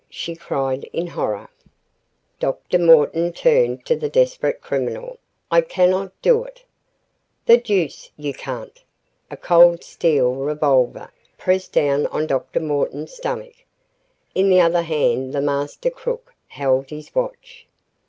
she cried in horror, Dr. Morton turned to the desperate criminal. "I cannot do it." "The deuce you can't!" A cold steel revolver pressed down on Dr. Morton's stomach. In the other hand the master crook held his watch.